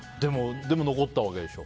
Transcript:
でも残ったわけでしょ。